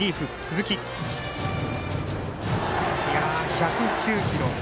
１０９キロ。